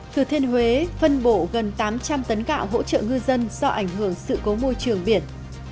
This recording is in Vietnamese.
thừa thiên huế phân bổ gần tám trăm linh tấn gạo hỗ trợ ngư dân do ảnh hưởng sự cố môi trường biển